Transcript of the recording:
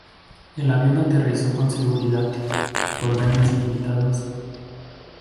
El avión aterrizó con seguridad, con daños limitados.